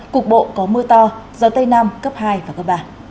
cục bộ có mưa to gió tây nam cấp hai và cấp ba